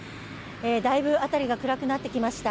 だいぶ辺りが暗くなってきました。